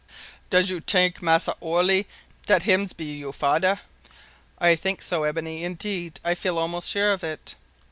"Does you t'ink, Massa Orley, that hims be you fadder?" "I think so, Ebony, indeed I feel almost sure of it."